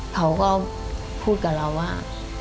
เขาก็พูดกับเราว่า